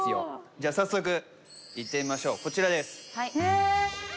じゃあ早速行ってみましょうこちらです。